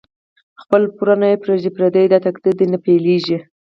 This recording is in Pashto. خپل پور نه پریږدی پردی، داتقدیر دی نه بیلیږی